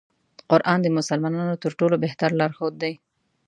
قرآن د مسلمانانو تر ټولو بهتر لار ښود دی.